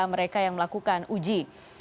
mereka yang melakukan uji